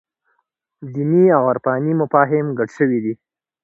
دیني او عرفاني مفاهیم ګډ شوي دي.